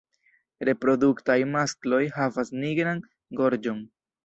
Reproduktaj maskloj havas nigran gorĝon.